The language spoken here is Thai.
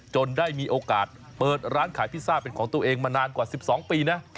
ได้มีโอกาสเปิดร้านขายพิซซ่าเป็นของตัวเองมานานกว่า๑๒ปีนะ